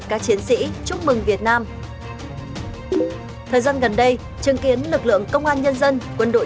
các chiến sĩ chúc mừng việt nam thời gian gần đây chứng kiến lực lượng công an nhân dân quân đội